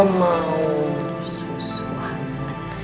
el mau susah banget